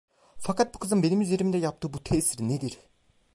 Fakat bu kızın benim üzerimde yaptığı bu tesir nedir?